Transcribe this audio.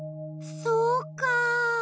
そうか。